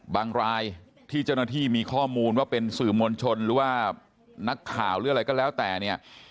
รายที่เจ้าหน้าที่มีข้อมูลว่าเป็นสื่อมวลชนหรือว่านักข่าวหรืออะไรก็แล้วแต่เนี่ย